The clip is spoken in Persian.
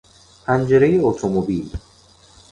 پنجرهی اتومبیل